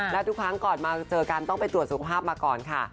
และทุกครั้งก่อนมาเจอกันต้องไปตรวจสุขภาพมาก่อนค่ะ